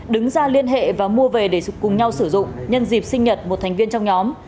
đứng ra liên hệ và mua về để cùng nhau sử dụng nhân dịp sinh nhật một thành viên trong nhóm